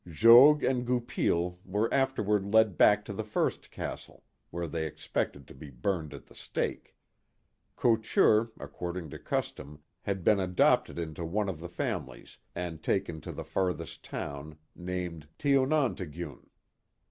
Jogues and Goupil were after ward led back to the first castle, where they expected to be burned at the stake. Couture, according to custom, had been adopted into one of the families and taken to the farthest town, named Ti o non to guen.